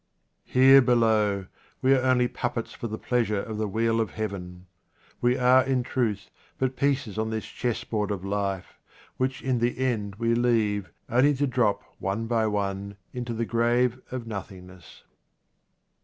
Here, below, we are only puppets for the pleasure of the wheel of heaven. We are, in truth, but pieces on this chessboard of life, which in the end we leave, only to drop one by one into the grave of nothingness.